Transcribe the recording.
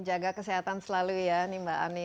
jaga kesehatan selalu ya mbak ani